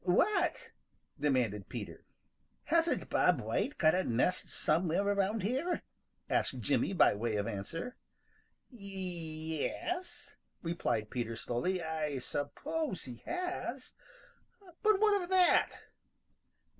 "What?" demanded Peter. "Hasn't Bob White got a nest somewhere around here?" asked Jimmy by way of answer. "Y e s," replied Peter slowly, "I suppose he has. But what of that?"